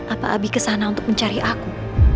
apa abi kesana untuk mencari aku